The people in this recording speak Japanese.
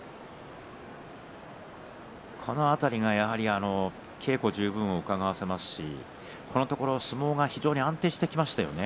この辺りが稽古十分をうかがわせますしこのところ相撲が非常に安定してきましたね。